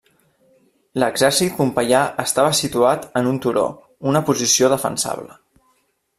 L'exèrcit pompeià estava situat en un turó, una posició defensable.